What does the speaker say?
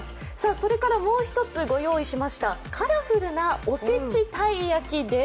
それからもう一つご用意しましたカラフルなおせちたい焼きです。